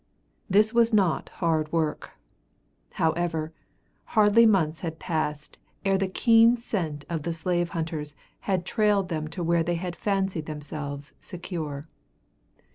This was not hard work. However, hardly months had passed ere the keen scent of the slave hunters had trailed them to where they had fancied themselves secure.